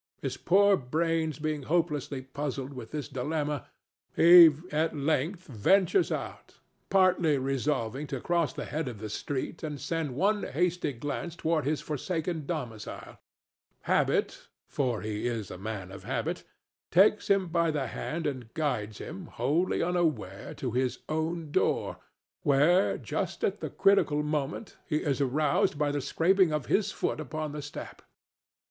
His poor brains being hopelessly puzzled with this dilemma, he at length ventures out, partly resolving to cross the head of the street and send one hasty glance toward his forsaken domicile. Habit—for he is a man of habits—takes him by the hand and guides him, wholly unaware, to his own door, where, just at the critical moment, he is aroused by the scraping of his foot upon the step.